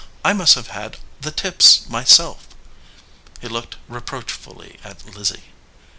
I must have had the tips my self." He looked reproachfully at "Lizzie.